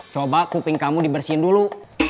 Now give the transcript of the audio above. coba kuping kamu dibersihin dulu